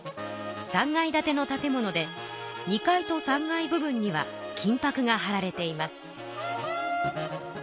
３階建ての建物で２階と３階部分には金ぱくがはられています。